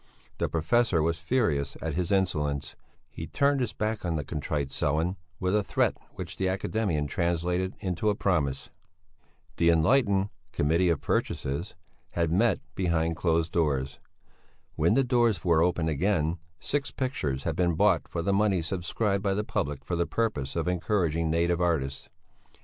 The professor was furious at this insolence; he turned his back on the contrite Sellén with a threat which the academician translated into a promise. The enlightened Committee of Purchases had met behind closed doors. When the doors were opened again, six pictures had been bought for the money subscribed by the public for the purpose of encouraging native artists.